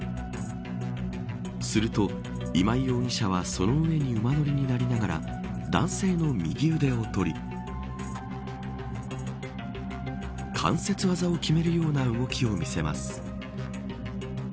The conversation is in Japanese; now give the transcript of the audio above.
すると今井容疑者はその上に馬乗りになりながら男性の右腕を取り関節技を決めるような動きを見せます。